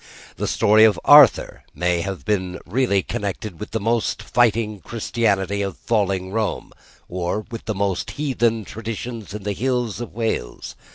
The story of Arthur may have been really connected with the most fighting Christianity of falling Rome or with the most heathen traditions hidden in the hills of Wales.